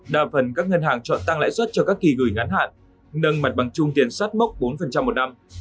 đa phần các ngân hàng chọn tăng lãi suất cho các kỳ gửi ngắn hạn nâng mặt bằng chung tiền sát mốc bốn một năm